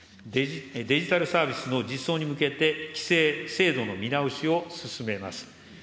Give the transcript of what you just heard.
デジタルサービスの実装に向けて、規制、制度の見直しを進めます。